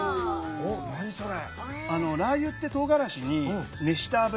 何それ？